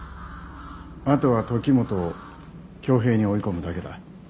あとは時元を挙兵に追い込むだけだ。